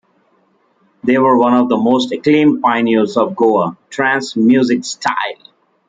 They were one of the most acclaimed pioneers of Goa Trance music style.